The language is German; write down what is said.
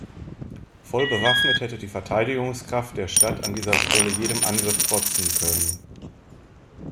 Voll bewaffnet hätte die Verteidigungskraft der Stadt an dieser Stelle jedem Angriff trotzen können.